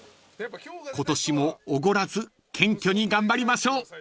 ［今年もおごらず謙虚に頑張りましょう］